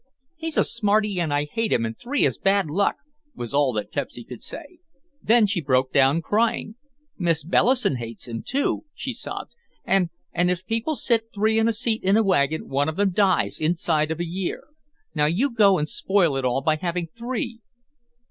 "He's a smarty and I hate him and three is bad luck," was all that Pepsy could say. Then she broke down crying, "Miss Bellison hates him, too," she sobbed, "and—and if people sit three in a seat in a wagon one of them dies inside of a year. Now you go and spoil it all by having three."